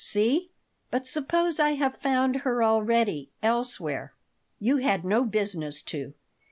See?" "But suppose I have found her already elsewhere?" "You had no business to.